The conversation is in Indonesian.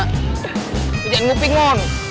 kejadian moving mon